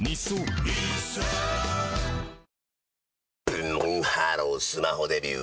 ブンブンハロースマホデビュー！